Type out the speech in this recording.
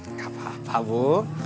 nggak apa apa bu